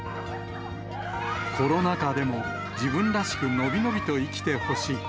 コロナ禍でも自分らしく伸び伸びと生きてほしい。